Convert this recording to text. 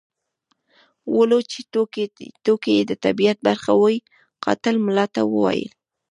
ولو چې ټوکې یې د طبیعت برخه وې قاتل ملا ته وویل.